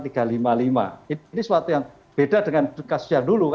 ini suatu yang beda dengan kasus yang dulu